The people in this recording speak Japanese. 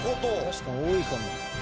確かに多いかも。